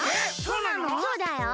そうだよ。